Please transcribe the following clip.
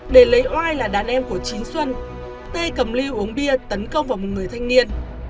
để lấy oai là đàn em của chín xuân t cầm ly uống bia tấn công vào một người thanh niên